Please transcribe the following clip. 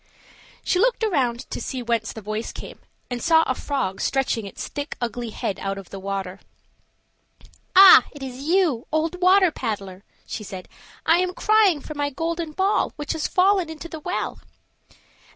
She looked around to see whence the voice came, and saw a frog stretching his thick ugly head out of the water. "Ah! it is you, old water paddler!" said she. "I am crying for my golden ball, which has fallen into the well."